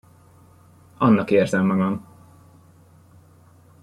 Annak érzem magam.